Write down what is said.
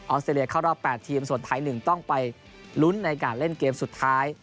สเตรเลียเข้ารอบ๘ทีมส่วนไทย๑ต้องไปลุ้นในการเล่นเกมสุดท้าย